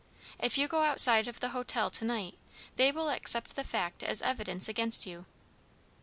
If you go outside of the hotel to night, they will accept the fact as evidence against you."